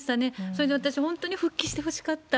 それで私、本当に復帰してほしかった。